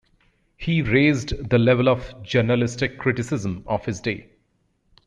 He raised the level of journalistic criticism of his day.